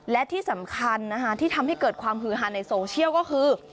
และที่สำคัญนะคะที่ทำให้เกิดความฮือฮาในโซเชียลก็คือ